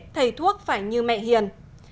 thầy thuốc phải như mẹ hiền